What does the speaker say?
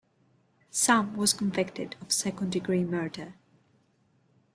Sam was convicted of second-degree murder.